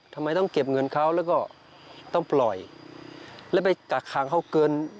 ทำไมต้องเก็บเงินเขาแล้วก็ต้องปล่อยแล้วไปกักขังเขาเกิน